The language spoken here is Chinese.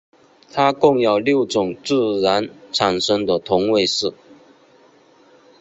它共有六种自然产生的同位素。